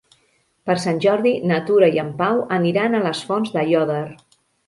Per Sant Jordi na Tura i en Pau aniran a les Fonts d'Aiòder.